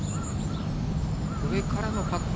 上からのパット。